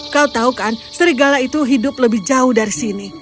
kau tahu kan serigala itu hidup lebih jauh dari sini